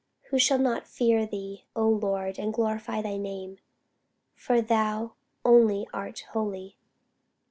Who shall not fear thee, O Lord, and glorify thy name? for thou only art holy.